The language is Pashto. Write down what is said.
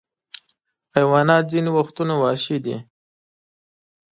حیوانات ځینې وختونه وحشي دي.